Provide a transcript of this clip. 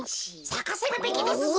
さかせるべきですぞ！